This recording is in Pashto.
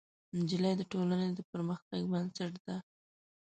نجلۍ د ټولنې د پرمختګ بنسټ ده.